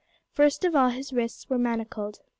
First of all his wrists were manacled.